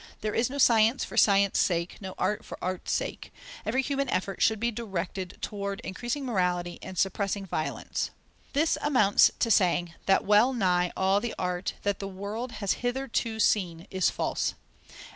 There is no science for science's sake, no art for art's sake. Every human effort should be directed toward increasing morality and suppressing violence." This amounts to saying that well nigh all the art that the world has hitherto seen is false.